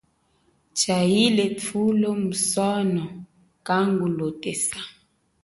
Chaile thulo musono kangu lotesa.